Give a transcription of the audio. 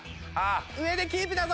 上でキープだぞ。